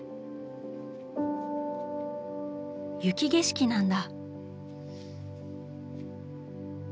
雪景色なんだ。